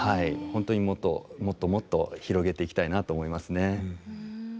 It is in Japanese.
本当にもっともっともっと広げていきたいなと思いますね。